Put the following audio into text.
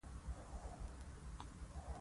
هر انسان مړ کیږي او هېڅوک دایمي ژوند نلري